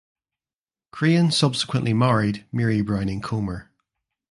Crane subsequently married Mary Browning Comer.